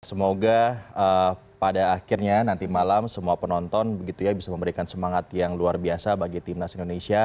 semoga pada akhirnya nanti malam semua penonton begitu ya bisa memberikan semangat yang luar biasa bagi timnas indonesia